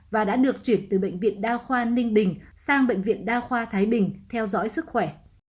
và đã được chuyển từ bệnh viện đa khoa ninh bình sang bệnh viện đa khoa thái bình theo dõi sức khỏe